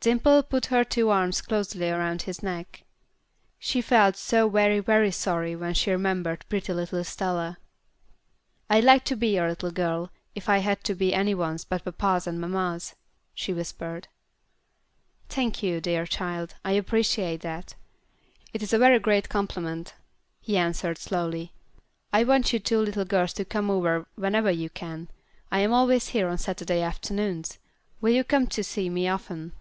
Dimple put her two arms closely around his neck. She felt so very, very sorry when she remembered pretty little Stella. "I'd like to be your little girl, if I had to be any one's but papa's and mamma's," she whispered. "Thank you, dear child, I appreciate that. It is a very great compliment," he answered, slowly. "I want you two little girls to come over whenever you can. I am always here on Saturday afternoons. Will you come to see me often?"